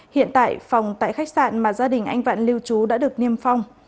hiện tại phòng tại khách sạn mà gia đình anh vạn lưu trú đã được niêm phong